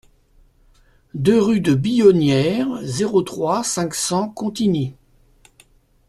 deux rue de Billonnière, zéro trois, cinq cents Contigny